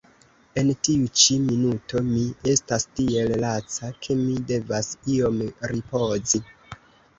En tiu ĉi minuto mi estas tiel laca, ke mi devas iom ripozi.